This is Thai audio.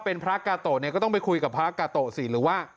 เป็นพระกาโตะเนี่ยก็ต้องไปคุยกับพระกาโตะสิหรือว่า